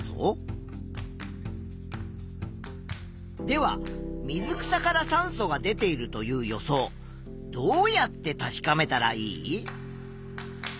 では水草から酸素が出ているという予想どうやって確かめたらいい？